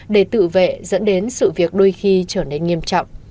để tự vệ dẫn đến sự việc đôi khi trở nên nghiêm trọng